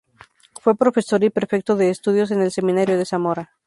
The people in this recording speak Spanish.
Fue profesor y prefecto de estudios en el Seminario de Zamora.